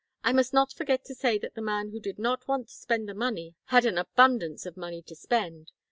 I must not forget to say that the man who did not want to spend the money had an abundance of money to spend.